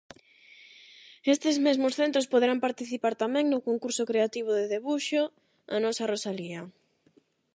Estes mesmos centros poderán participar tamén no concurso creativo de debuxo "A nosa Rosalía".